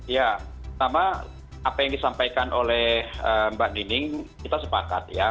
ya pertama apa yang disampaikan oleh mbak nining kita sepakat ya